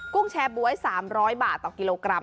ุ้งแชร์บ๊วย๓๐๐บาทต่อกิโลกรัม